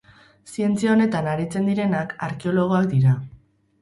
Zientzia honetan aritzen direnak arkeologoak dira.